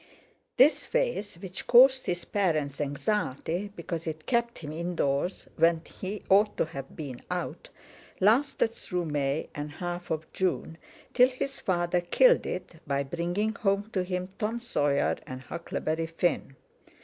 This phase, which caused his parents anxiety, because it kept him indoors when he ought to have been out, lasted through May and half of June, till his father killed it by bringing home to him Tom Sawyer and Huckleberry Finn.